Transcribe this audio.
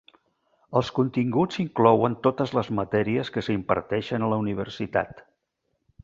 Els continguts inclouen totes les matèries que s'imparteixen a la Universitat.